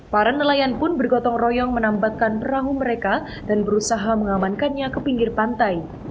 para nelayan pun bergotong royong menambatkan perahu mereka dan berusaha mengamankannya ke pinggir pantai